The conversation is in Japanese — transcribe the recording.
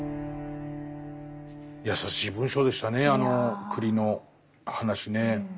優しい文章でしたねあの栗の話ね。